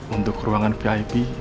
untuk ruangan vip